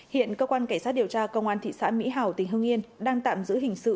hiện cơ quan cảnh sát điều tra công an thị xã mỹ hào tỉnh hưng yên đang tạm giữ hình sự